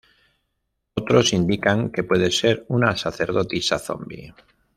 Otros indican que puede ser una sacerdotisa zombi.